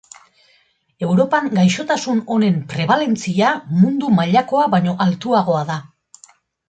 Europan gaixotasun honen prebalentzia mundu mailakoa baino altuagoa da.